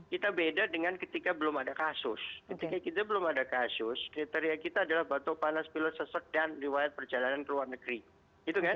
kita beda dengan ketika belum ada kasus ketika kita belum ada kasus kriteria kita adalah batu panas pilot sesek dan riwayat perjalanan ke luar negeri